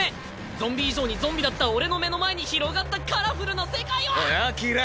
ゾンビ以上にゾンビだった俺の目の前に広がったカラフルな世界はおいアキラ！